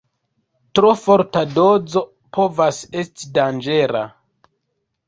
Tro forta dozo povas esti danĝera.